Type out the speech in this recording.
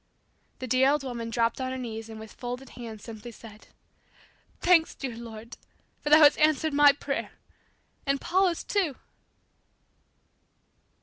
The dear old woman dropped on her knees and with folded hands simply said, "Thanks, dear Lord, for Thou hast answered my prayer, and Paula's too!"